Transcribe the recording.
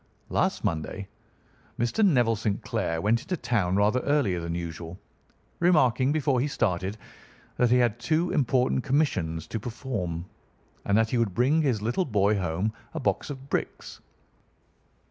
"Last Monday Mr. Neville St. Clair went into town rather earlier than usual, remarking before he started that he had two important commissions to perform, and that he would bring his little boy home a box of bricks.